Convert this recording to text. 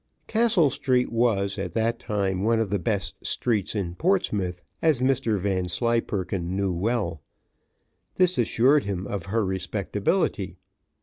Castle Street was, at that time, one of the best streets in Portsmouth, as Mr Vanslyperken well knew. This assured him of her respectability.